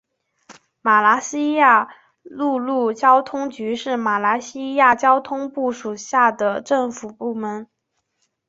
马来西亚陆路交通局是马来西亚交通部属下的政府部门。